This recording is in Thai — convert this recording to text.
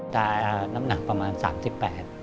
ตาน้ำหนักประมาณสามสิบแปด